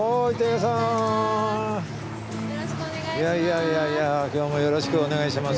いやいや今日もよろしくお願いします。